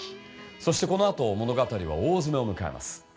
そしてこのあと物語は大詰めを迎えます。